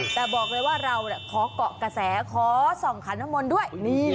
แต่บอกเลยว่าเราขอเกาะกระแสขอส่องขันน้ำมนต์ด้วย